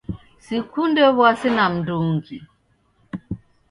Sikunde wuasi na mndungi